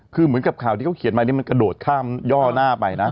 คือเหมือนกับข่าวที่เขาเขียนมานี่มันกระโดดข้ามย่อหน้าไปนะ